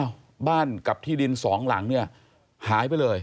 บ้านกับที่ดินสองหลังเนี่ยหายไปเลย